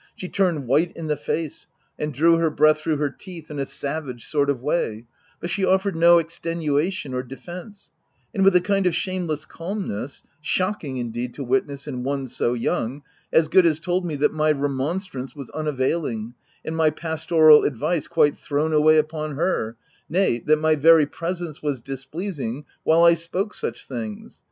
She turned white in the face, and drew her breath through her teeth in a savage sort of way ;— but she offered no extenuation or defence ; and with a kind of shameless calmness — shocking indeed to witness, in one so young — as good as told me that my remonstrance was unavailing, and my pastoral advice quite thrown away upon her — nay, that my very presence was displeasing OF WILDFELL HALL. 199 while I spoke such things.